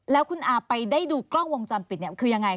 แล้วคุณอาไปได้ดูกล้องวงจรปิดเนี่ยคือยังไง